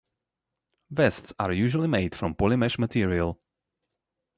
Vests are usually made from poly-mesh material.